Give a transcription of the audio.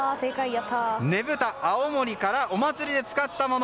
ねぶたは青森からお祭りで使ったもの